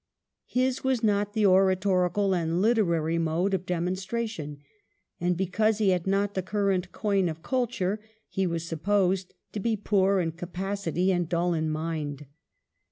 His was not the oratorical and literary mode of demonstration ; and, because he had not the current coin of culture, he was supposed to be poor in capacity and dull in mind.